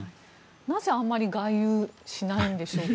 なぜあんまり外遊しないんでしょうか？